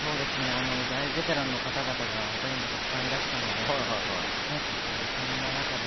大ベテランの方が他にもたくさんいらしたのでそんな中で